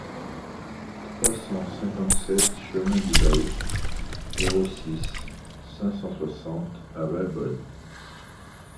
trois cent cinquante-sept chemin du Baou, zéro six, cinq cent soixante à Valbonne